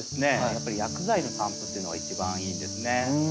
やっぱり薬剤の散布っていうのが一番いいんですね。